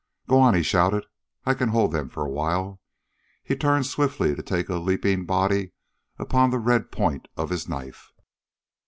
"Go on," he shouted. "I can hold them for a while " He turned swiftly to take a leaping body upon the red point of his knife.